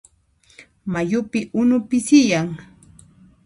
Mayupi unu pisiyan.